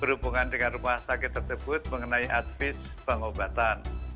berhubungan dengan rumah sakit tersebut mengenai advis pengobatan